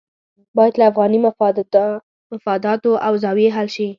باید له افغاني مفاداتو له زاویې حل شي.